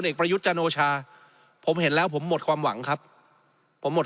ประยุทธ์จันโอชาผมเห็นแล้วผมหมดความหวังครับผมหมด